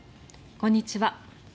こんにちは。